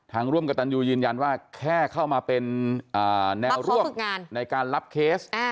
ร่วมกับตันยูยืนยันว่าแค่เข้ามาเป็นแนวร่วมในการรับเคส